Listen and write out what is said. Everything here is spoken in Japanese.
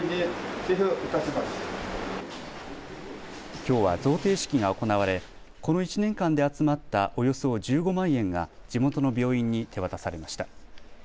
きょうは贈呈式が行われこの１年間で集まったおよそ１５万円が地元の病院に手渡されました。